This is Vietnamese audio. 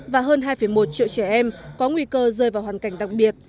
và hơn hai một triệu trẻ em có nguy cơ rơi vào hoàn cảnh đặc biệt